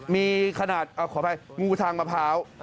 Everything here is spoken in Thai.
มีขนาดขออภัยงูทางมะพร้าว